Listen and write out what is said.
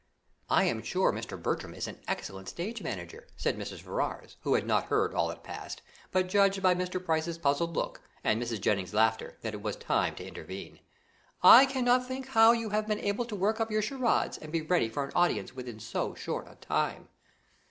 "I am sure Mr. Bertram is an excellent stage manager," said Mrs. Ferrars, who had not heard all that passed, but judged by Mr. Price's puzzled look, and Mrs. Jennings's laughter, that it was time to intervene; "I cannot think how you have been able to work up your charades and be ready for an audience within so short a time."